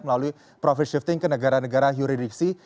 melalui profit shifting ke negara negara yuridiksi